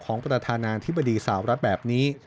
ประธานาธิบดีสาวรัฐแบบนี้